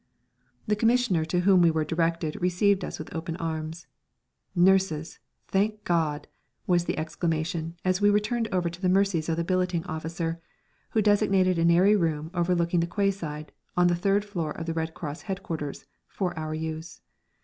The Commissioner to whom we were directed received us with open arms. "Nurses thank God!" was the exclamation as we were turned over to the mercies of the billeting officer, who designated an airy room overlooking the quayside, on the third floor of the Red Cross headquarters, for our use.